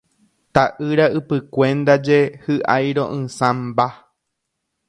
Ta'ýra ypykue ndaje hy'airo'ysãmba.